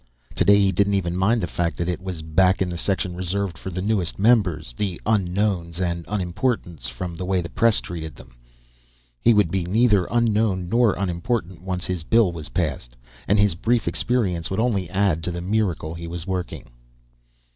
Today he didn't even mind the fact that it was back in the section reserved for the newest members the unknowns and unimportants, from the way the press treated them. He would be neither unknown nor unimportant, once his bill was passed, and his brief experience would only add to the miracle he was working.